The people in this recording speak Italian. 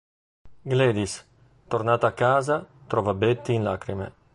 Gladys, tornata a casa, trova Betty in lacrime.